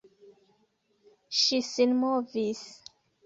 Ŝi sinmovis.